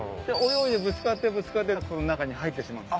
泳いでぶつかってぶつかってこの中に入ってしまう。